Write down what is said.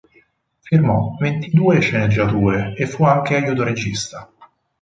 Firmò ventidue sceneggiature e fu anche aiuto regista.